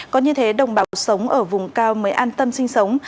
có như thế đồng bào sống ở vùng cao mới an tâm sinh sống